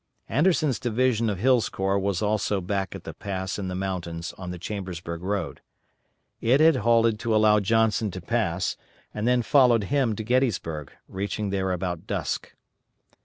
Anderson's division of Hill's corps was also back at the pass in the mountains on the Chambersburg road. It had halted to allow Johnson to pass, and then followed him to Gettysburg, reaching there about dusk.